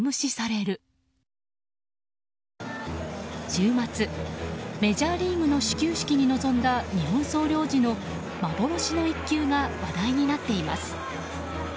週末メジャーリーグの始球式に臨んだ日本総領事の幻の一球が話題になっています。